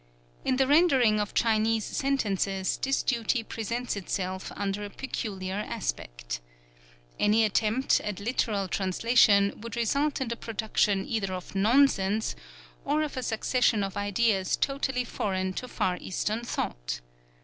In the rendering of Chinese sentences this duty presents itself under a peculiar aspect. Any attempt at literal translation would result in the production either of nonsense, or of a succession of ideas totally foreign to far Eastern thought.